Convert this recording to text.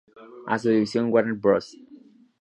A su División Warner Bros.